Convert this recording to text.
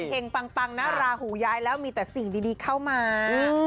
ปังนะราหูย้ายแล้วมีแต่สิ่งดีเข้ามา